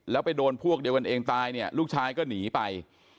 แล้วไปโดนพวกเดียวกันเองตายเนี่ยลูกชายก็หนีไป